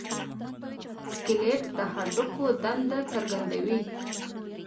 سکلیټ د هډوکو دندې څرګندوي.